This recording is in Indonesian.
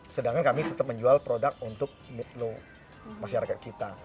sedangkan kami tetap menjual produk untuk low masyarakat kita